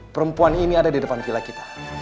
perempuan ini ada di depan gila kita